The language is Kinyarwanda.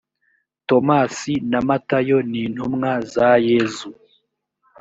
tomasi na matayo nintumwa zayezu.